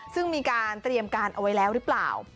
ซึ่งมีการเตรียมการเอาไว้แล้วหรือเปล่า